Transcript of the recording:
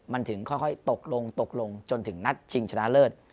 มันถึงค่อยตกลงตกลงจนถึงนัดชิงชนะเลิศ